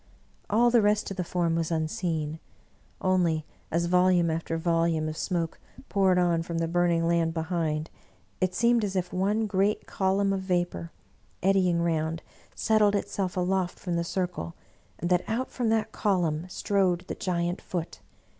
All the rest of the form was unseen; only, as volume after volume of smoke poured on from the burning land be hind, it seemed as if one great column of vapor, eddying round, settled itself aloft from the circle, and that out from that column strode the giant Foot.